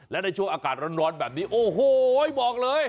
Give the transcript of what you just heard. และในช่วงอากาศร้อนแบบนี้โอ้โหบอกเลย